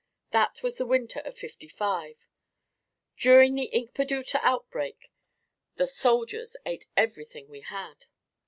That was in the winter of '55. During the Inkpadutah outbreak, the soldiers ate everything we had.